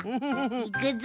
いくぞ。